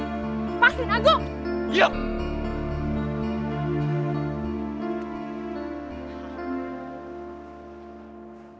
gung lo mau ke mobil